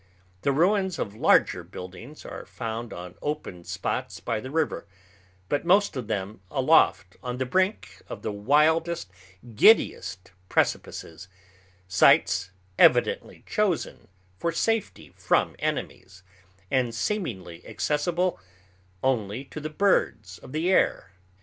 The ruins of larger buildings are found on open spots by the river, but most of them aloft on the brink of the wildest, giddiest precipices, sites evidently chosen for safety from enemies, and seemingly accessible only to the birds of the air.